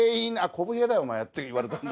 「こぶ平だよお前」って言われたんで。